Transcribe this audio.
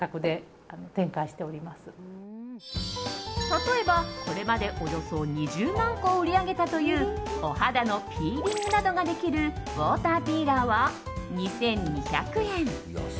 例えばこれまでおよそ２０万個を売り上げたというお肌のピーリングなどができるウォーターピーラーは２２００円。